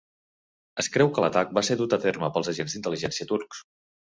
Es creu que l'atac va ser dut a terme pels agents d'intel·ligència turcs.